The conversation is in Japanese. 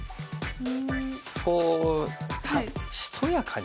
こうしとやかに。